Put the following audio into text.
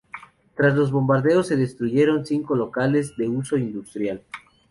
Tras los bombardeos se destruyeron cinco locales de uso industrial.